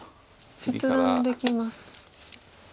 切断できます。